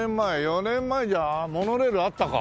４年前じゃモノレールあったか？